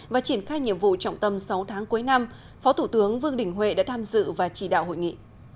và triển khai nhiệm vụ trọng tâm sáu tháng cuối năm phó thủ tướng vương đình huệ đã tham dự và chỉ đạo hội nghị